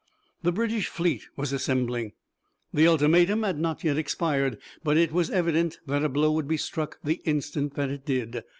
The British fleet was assembling. The ultimatum had not yet expired, but it was evident that a blow would be struck the instant that it did.